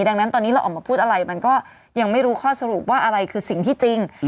ดังนั้นตอนนี้เราออกมาพูดอะไรมันก็ยังไม่รู้ข้อสรุปว่าอะไรคือสิ่งที่จริง